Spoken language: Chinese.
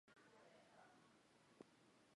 上福冈市是崎玉县南部的一个已不存在的市。